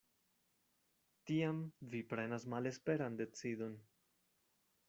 Tiam vi prenas malesperan decidon.